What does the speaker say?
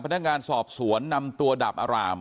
เพราะไม่เคยถามลูกสาวนะว่าไปทำธุรกิจแบบไหนอะไรยังไง